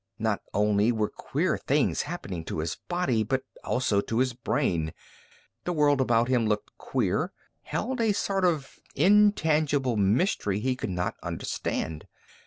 Not only were queer things happening to his body, but also to his brain. The world about him looked queer, held a sort of an intangible mystery he could not understand.